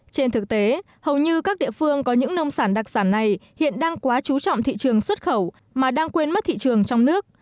trên thực tế hầu như các địa phương có những nông sản đặc sản này hiện đang quá chú trọng thị trường xuất khẩu mà đang quên mất thị trường trong nước